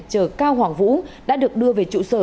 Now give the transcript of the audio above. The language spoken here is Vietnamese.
chở cao hoàng vũ đã được đưa về trụ sở